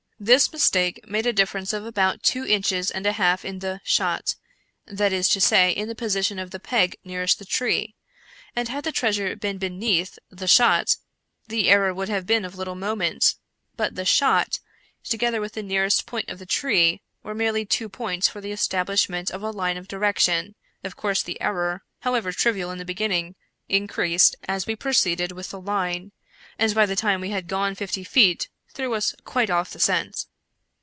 This mistake made a difference of about two inches and a half in the * shot '— that is to say, in the position of the peg nearest the tree ; and had the treasure been beneath the ' shot,' the error would have been of little moment ; but ' the shot,' together with the nearest point of the tree, were merely two points for the establishment of a line of direction; of course the error, however trivial in the beginning, increased as we proceeded with the line, and by the time we had gone fifty feet threw us quite off the scent.